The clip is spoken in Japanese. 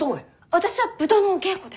私は舞踏のお稽古で。